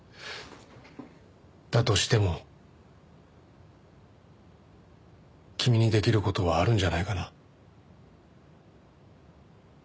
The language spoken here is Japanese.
だとしても君にできる事はあるんじゃないかな？